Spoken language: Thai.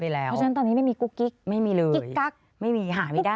เพราะฉะนั้นตอนนี้ไม่มีกุ๊กกิ๊กกิ๊กกั๊กไม่มีเลยไม่มีหาไม่ได้